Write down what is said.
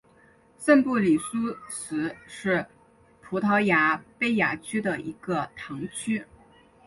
圣布里苏什是葡萄牙贝雅区的一个堂区。